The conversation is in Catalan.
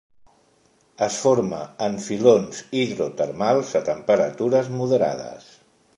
Es forma en filons hidrotermals a temperatures moderades.